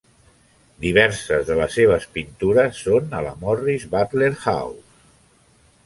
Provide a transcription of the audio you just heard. Diverses de les seves pintures són a la Morris-Butler House.